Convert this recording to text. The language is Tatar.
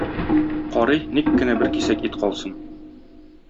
Карый, ник кенә бер кисәк ит калсын!